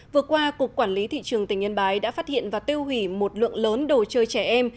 vừa qua cục quản lý thị trường tỉnh yên bái đã phát hiện và tiêu hủy một lượng lớn đồ chơi trẻ em